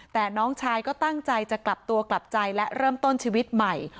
แต่น้องชายก็ตั้งใจจะกลับตัวกลับใจและเริ่มต้นชีวิตใหม่